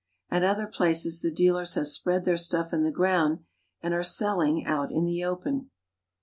At other places the i tealers have spread their stuff on the ground and are elling out in the open.